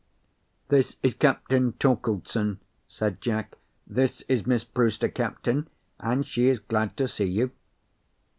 "This is Captain Torkeldsen," said Jack. "This is Miss Brewster, captain; and she is glad to see you."